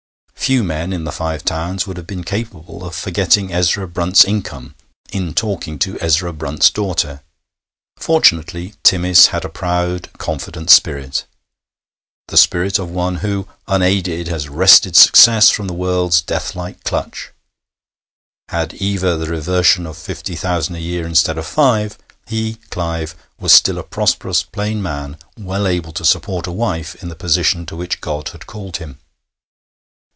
Few men in the Five Towns would have been capable of forgetting Ezra Brunt's income in talking to Ezra Brunt's daughter. Fortunately, Timmis had a proud, confident spirit the spirit of one who, unaided, has wrested success from the world's deathlike clutch. Had Eva the reversion of fifty thousand a year instead of five, he, Clive, was still a prosperous plain man, well able to support a wife in the position to which God had called him.